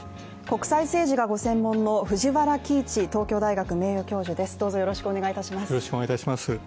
国際政治がご専門の藤原帰一東京大学名誉教授です。